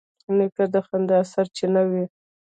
نیکه د خندا سرچینه وي.